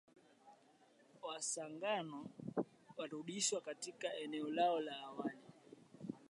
Wasangu walirudishwa katika eneo lao la awali